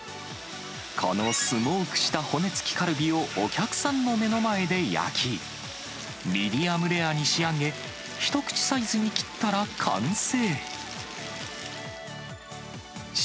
このスモークした骨付きカルビをお客さんの目の前で焼き、ミディアムレアに仕上げ、一口サイズに切ったら完成。